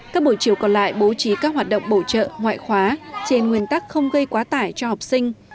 các buổi chiều còn lại bố trí các hoạt động bổ trợ ngoại khóa trên nguyên tắc không gây quá tải cho học sinh